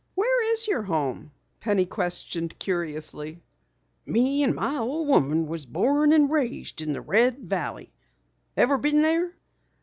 "Where is your home?" Penny questioned curiously. "Me and my old woman was born and raised in the Red River Valley. Ever been there?"